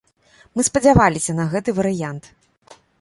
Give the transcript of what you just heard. Мы спадзяваліся на гэты варыянт.